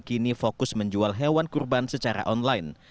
kini fokus menjual hewan kurban secara online